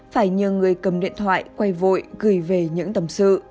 phải như người cầm điện thoại quay vội gửi về những tầm sự